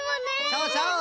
そうそう！